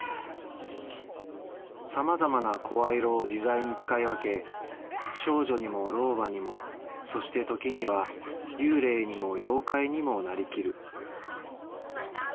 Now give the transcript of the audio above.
さまざまな声色を自在に使い分け少女にも老婆にもそして時には幽霊にも妖怪にもなりきる。